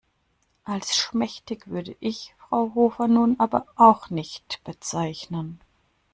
Als schmächtig würde ich Frau Hofer nun aber auch nicht bezeichnen.